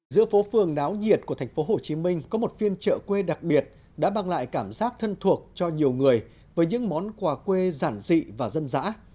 giữa phố phường náo nhiệt của thành phố hồ chí minh có một phiên chợ quê đặc biệt đã bằng lại cảm giác thân thuộc cho nhiều người với những món quà quê giản dị và dân dã